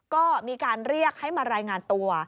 ก็มีการเรียกให้มารายงานตัว